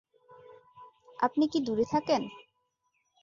আপনি কি দূরে থাকেন?